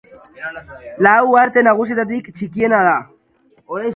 Lau uharte nagusietatik txikiena da.